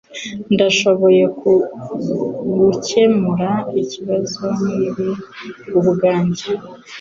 Ndashoboye gukemura ibibazo nkibi ubwanjye.